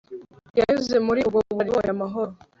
Yanyuze muri ubwo bunararibonye amahoro